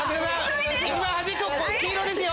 端っこ黄色ですよ！